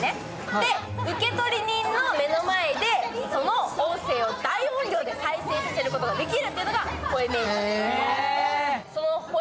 で、受取人の目の前でその音声を大音量で再生させることができるっていうのが吠えメールなんですね。